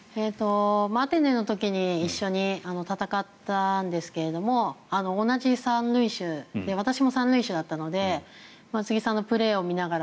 アテネの時に一緒に戦ったんですけど同じ三塁手で私も三塁手だったので宇津木さんのプレーを見ながら。